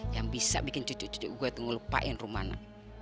yang bisa bikin cucu cucu gue tuh ngelupain rumana